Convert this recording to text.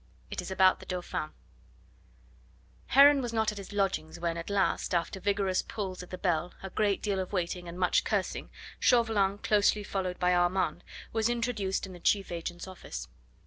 IT IS ABOUT THE DAUPHIN Heron was not at his lodgings when, at last, after vigorous pulls at the bell, a great deal of waiting and much cursing, Chauvelin, closely followed by Armand, was introduced in the chief agent's office.